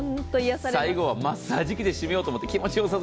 最後はマッサージ器で締めようと思って。